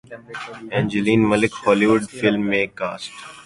Angeline Malik Hollywood film میں cost